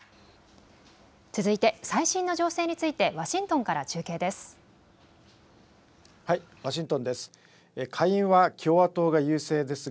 続いて最新の情勢についてワシントンから中継です。